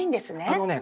あのね